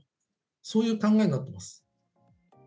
そういう考えになっています。